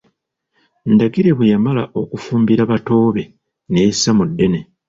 Ndagire bwe yamala okufumbira bato be neyessa mu ddene.